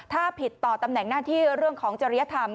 ถ้าผิดต่อตำแหน่งหน้าที่เรื่องของจริยธรรม